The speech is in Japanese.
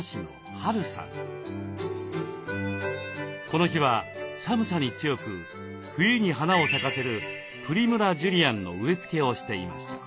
この日は寒さに強く冬に花を咲かせるプリムラ・ジュリアンの植え付けをしていました。